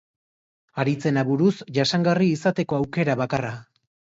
Aritzen aburuz, jasangarri izateko aukera bakarra.